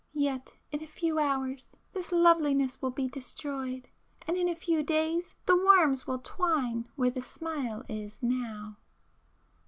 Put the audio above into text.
Yet in a few hours this loveliness will be destroyed,—and in a few days, the worms will twine where the smile is now!